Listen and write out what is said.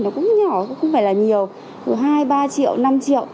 nó cũng nhỏ cũng không phải là nhiều từ hai ba triệu năm triệu